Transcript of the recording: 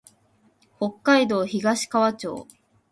北海道東川町